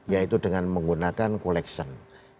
yaitu dengan menggunakan collection